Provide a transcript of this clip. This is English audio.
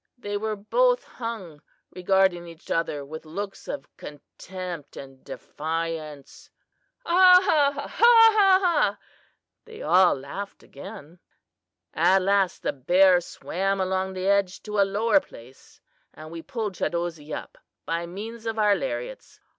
There they both hung, regarding each other with looks of contempt and defiance." "Ha, ha, ha! ha, ha, ha!" they all laughed again. "At last the bear swam along the edge to a lower place, and we pulled Chadozee up by means of our lariats.